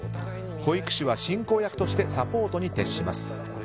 保育士は進行役としてサポートに徹します。